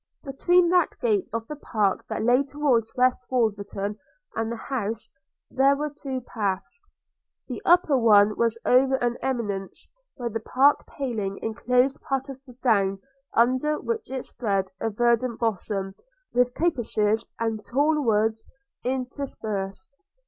Between that gate of the park that lay towards West Wolverton, and the house, there were two paths. The upper one was over an eminence where the park paling enclosed part of the down, under which it spread a verdant bosom, with coppices and tall woods interspersed.